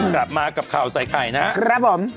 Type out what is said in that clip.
กลับมากับข่าวใส่ไข่นะครับผม